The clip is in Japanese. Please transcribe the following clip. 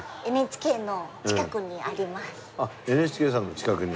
あっＮＨＫさんの近くに。